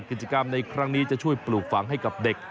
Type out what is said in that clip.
กิจกรรมในครั้งนี้จะช่วยปลูกฝังให้กับเด็ก